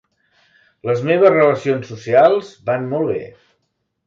Les meves relacions socials van molt bé.